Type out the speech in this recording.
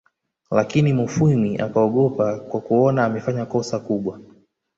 Lakini Mufwimi akaogopa kwa kuona amefanya kosa kubwa